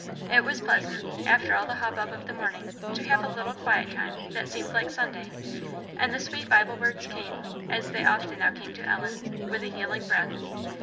It was pleasant, after all the hubbub of the morning, to have a little quiet time that seemed like Sunday; and the sweet Bible words came, as they often now came to Ellen, with a healing breath.